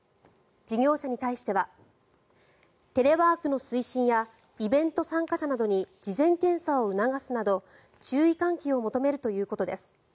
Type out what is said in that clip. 事業者に対してはテレワークの推進やイベント参加者などに事前検査を促すなど注意喚起を求めるということです。